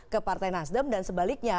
ke partai nasdem dan sebaliknya